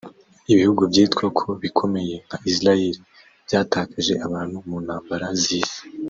Ibihugu byitwa ko bikomeye nka Israel byatakaje abantu mu ntambara z’isi